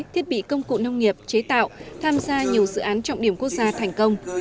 thiết bị công cụ nông nghiệp chế tạo tham gia nhiều dự án trọng điểm quốc gia thành công